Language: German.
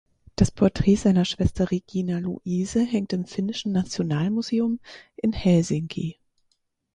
Das Porträt seiner Schwester Regina Luise hängt im Finnischen Nationalmuseum in Helsinki.